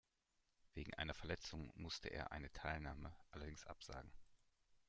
Wegen einer Verletzung musste er eine Teilnahme allerdings absagen.